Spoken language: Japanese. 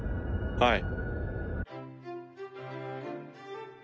はい。